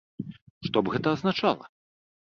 Што б гэта азначала?